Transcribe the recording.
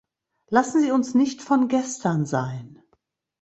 Lassen Sie uns nicht von gestern sein.